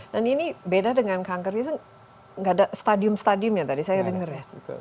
ini beda dengan kanker itu nggak ada stadium stadiumnya tadi saya dengar ya